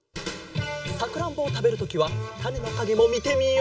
さくらんぼをたべるときはたねのかげもみてみよう！